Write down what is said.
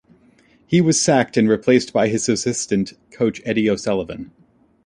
He was sacked and was replaced by his assistant coach Eddie O'Sullivan.